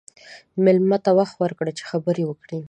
مېلمه ته وخت ورکړه چې خبرې وکړي.